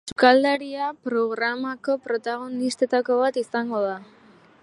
Sukaldaria programako protagonistetako bat izango da.